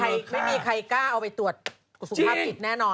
คราวนี้ไม่มีใครกล้าเอาไปตรวจกุศุภาพผิดแน่นอน